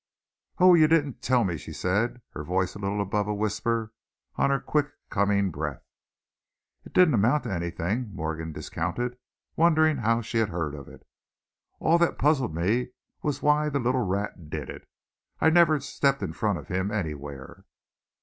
"Oh! you didn't tell me!" she said, her voice little above a whisper on her quick coming breath. "It didn't amount to anything," Morgan discounted, wondering how she had heard of it. "All that puzzled me was why the little rat did it I never stepped in front of him anywhere."